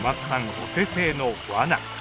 お手製のわな。